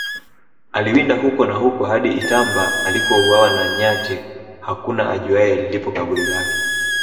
aliwinda huko na huko hadi itamba alikouawa na nyati Hakuna ajuaye lilipo kaburi lake